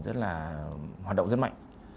rất là hoạt động rất mạnh